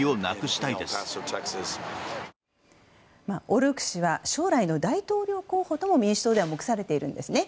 オルーク氏は将来の大統領候補とも民主党では目されているんですね。